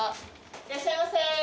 いらっしゃいませ。